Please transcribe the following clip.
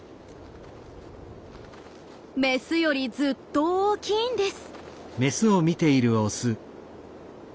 メスよりずっと大きいんです。